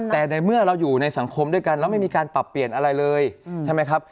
แต่ในเมื่อเราอยู่ในสังคมด้วยกันแล้วไม่มีการปรับเปลี่ยนอะไรเลยใช่ไหมครับ